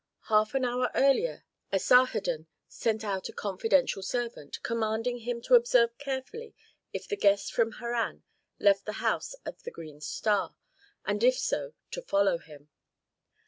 Half an hour earlier Asarhadon sent out a confidential servant, commanding him to observe carefully if the guest from Harran left the house of the "Green Star," and if so to follow him.